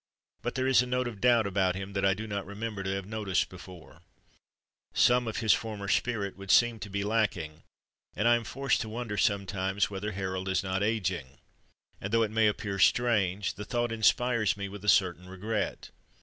But there is a note of doubt about him that I do not remem ber to have noticed before some of his former spirit would seem to be lacking, and I am forced to wonder sometimes whether Harold is not ageing. And, though it may appear strange, the thought inspires me with a certain regret.